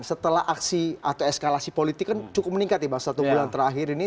setelah aksi atau eskalasi politik kan cukup meningkat ya bang satu bulan terakhir ini